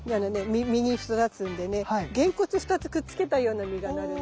実に育つんでねげんこつ２つくっつけたような実がなるの。